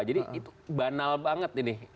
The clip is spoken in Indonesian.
jadi itu banal banget ini